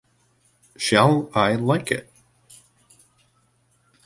Shall I like it?